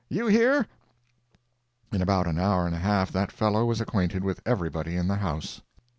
—you here!" In about an hour and a half that fellow was acquainted with everybody in the house.